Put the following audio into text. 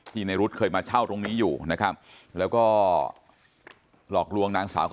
ในรุ๊ดเคยมาเช่าตรงนี้อยู่นะครับแล้วก็หลอกลวงนางสาว